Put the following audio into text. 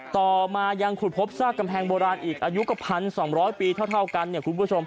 ต่อมายังขุดพบซากกำแพงโบราณอีกอายุกับพันสองร้อยปีเท่าเท่ากันเนี่ยคุณผู้ชม